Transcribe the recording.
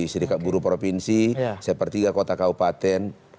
serikat buruh provinsi sepertiga kota kaupaten